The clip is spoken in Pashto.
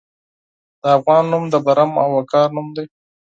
د افغان نوم د برم او وقار نوم دی.